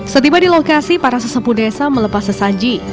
setiba di lokasi para sesepu desa melepas sesaji